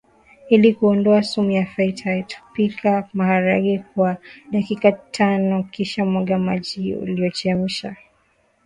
Ili kuondoa sumu ya phytate pika maharage kwa dakika tanokisha mwaga maji uliyochemsha